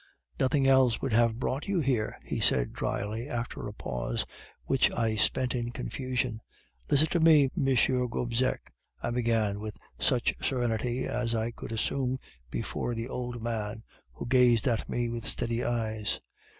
"'Nothing else would have brought you here,' he said drily, after a pause, which I spent in confusion. "'Listen to me, M. Gobseck,' I began, with such serenity as I could assume before the old man, who gazed at me with steady eyes.